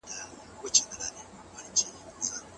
دا رښتنې کیسه به زه کله هم هېره نه کړم.